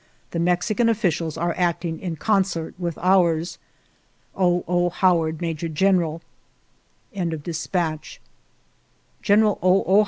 The Mexican officials are acting in concert with ours.' " O. O. Howard, "Major General." General O. O.